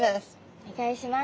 お願いします。